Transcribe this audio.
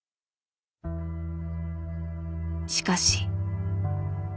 しかし。